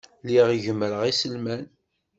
Lliɣ gemmreɣ iselman.